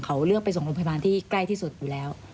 เขาเลือกไปส่งโรงพยาบาลที่ใกล้ที่สุดอยู่แล้ว